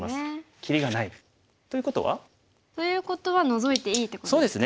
切りがない。ということは？ということはノゾいていいってことですか。